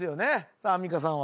さあアンミカさんは？